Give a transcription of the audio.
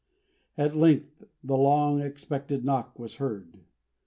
At length the long expected knock was heard.